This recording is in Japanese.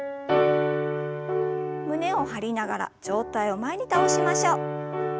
胸を張りながら上体を前に倒しましょう。